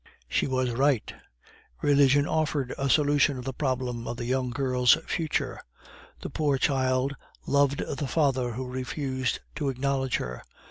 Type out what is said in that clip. She was right; religion offered a solution of the problem of the young girl's future. The poor child loved the father who refused to acknowledge her.